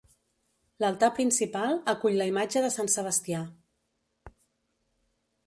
L'altar principal acull la imatge de Sant Sebastià.